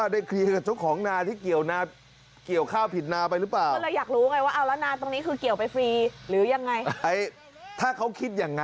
ดูเด่นอย่าเปล่าหลง